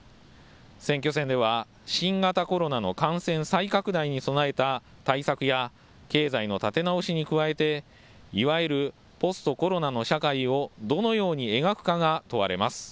選挙戦では新型コロナの感染再拡大に備えた対策や経済の立て直しに加えていわゆるポストコロナの社会をどのように描くかが問われます。